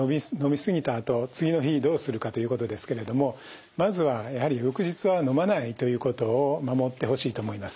あと次の日どうするかということですけれどもまずはやはり翌日は飲まないということを守ってほしいと思います。